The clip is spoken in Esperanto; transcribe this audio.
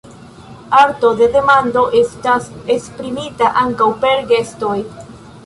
Arto de demando estas esprimita ankaŭ per gestoj.